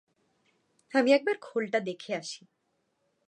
আমি একবার খোলটা দেখে আসি।